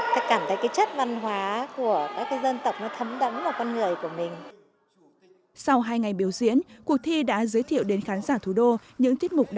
tôi cảm thấy chất văn hóa của các dân tộc nó thấm đẫm vào con người